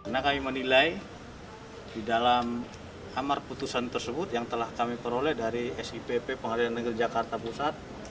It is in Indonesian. karena kami menilai di dalam amar putusan tersebut yang telah kami peroleh dari sipp pengadilan negeri jakarta pusat